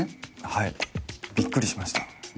はいびっくりしました。